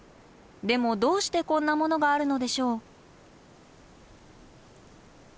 でもどうしてこんなものがあるのでしょう。